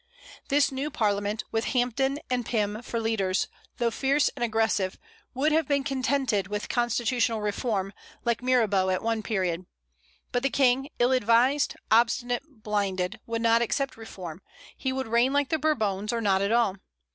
This new Parliament, with Hampden and Pym for leaders, though fierce and aggressive, would have been contented with constitutional reform, like Mirabeau at one period. But the King, ill advised, obstinate, blinded, would not accept reform; he would reign like the Bourbons, or not at all.